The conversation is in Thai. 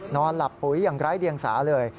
นอนหลับปุ๋ยอย่างไร้เดียงสาเลย